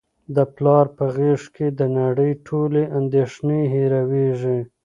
د پلار په غیږ کي د نړۍ ټولې اندېښنې هیرېږي.